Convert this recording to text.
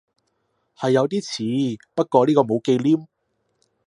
係有啲似，不過呢個冇忌廉